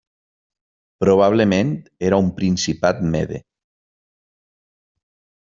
Probablement era un principat mede.